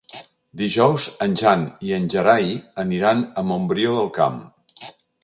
Dijous en Jan i en Gerai aniran a Montbrió del Camp.